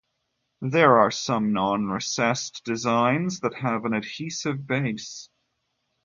There are some non-recessed designs that have an adhesive base.